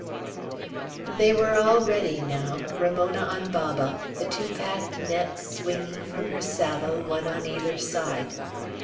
They were all ready now, Ramona on Baba, the two packed nets swinging from her saddle, one on either side.